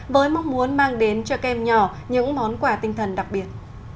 với mong muốn mang đến cho các em nhỏ những món quà tinh thần đặc biệt